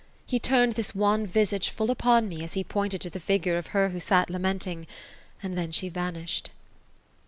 He turned this wan visage full upon me, as he pointed to the figure of her who sat lamenting ; and then she vanished."